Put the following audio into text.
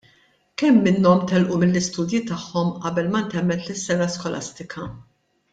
Kemm minnhom telqu mill-istudji tagħhom qabel ma ntemmet is-sena skolastika?